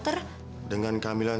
terima kasih pak